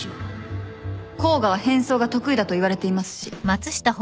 甲賀は変装が得意だといわれていますし。